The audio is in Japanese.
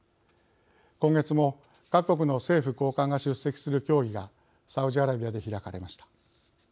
今月も、各国の政府高官が出席する協議がサウジアラビアで開かれました。